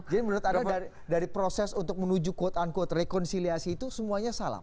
jadi menurut anda dari proses untuk menuju quote unquote rekonsiliasi itu semuanya salah